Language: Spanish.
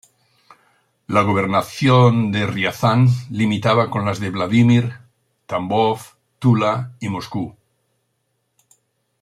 La gobernación de Riazán limitaba con las de Vladímir, Tambov, Tula y Moscú.